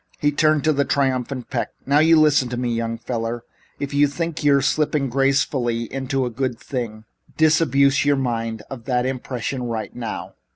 He turned to the triumphant Peck. "Now, you listen to me, young feller. If you think you're slipping gracefully into a good thing, disabuse your mind of that impression right now.